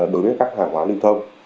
đối với các hàng hóa linh thông